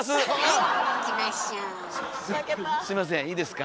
すいませんいいですか？